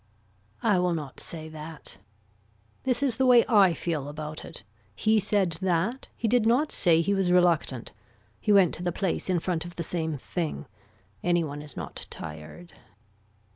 I will not say that. This is the way I feel about it. He said that. He did not say he was reluctant. He went to the place in front of the same thing. Any one is not tired.